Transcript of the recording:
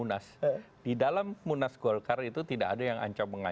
yang kemudian diletakkan oleh